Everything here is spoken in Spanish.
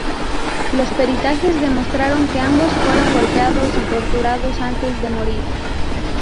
Los peritajes demostraron que ambos fueron golpeados y torturados antes de morir.